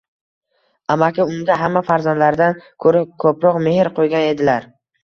Amakim unga hamma farzandlaridan ko`ra ko`proq mehr qo`ygan edilar